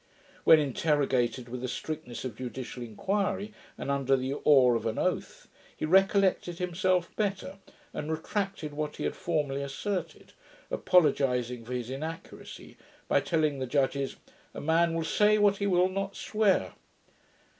When interrogated with the strictness of judicial inquiry, and under the awe of an oath, he recollected himself better, and retracted what he had formerly asserted, apologizing for his inaccuracy, by telling the judge 'A man will SAY what he will not SWEAR.'